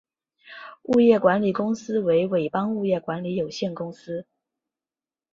物业管理公司为伟邦物业管理有限公司。